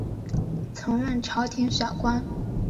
曾任朝廷小官。